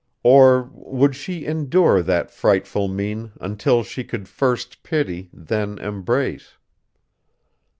Or would she endure that frightful mien until she could first pity, then embrace?